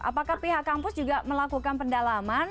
apakah pihak kampus juga melakukan pendalaman